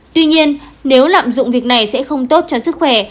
tuy nhiên nếu lạm dụng việc này sẽ không tốt cho sức khỏe